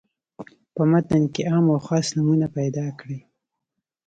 په متن کې عام او خاص نومونه پیداکړي.